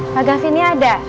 pak gavinnya ada